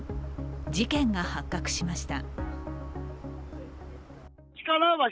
事件が発覚しました。